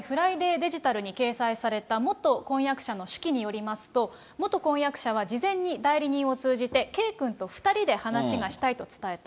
デジタルに掲載された、元婚約者の手記によりますと、元婚約者は事前に代理人を通じて、圭君と２人で話がしたいと伝えた。